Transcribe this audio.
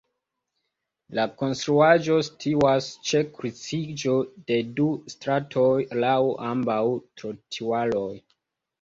La konstruaĵo situas ĉe kruciĝo de du stratoj laŭ ambaŭ trotuaroj.